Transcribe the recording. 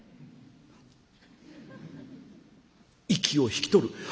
息を引き取る。